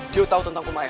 dia tahu tentang ku maya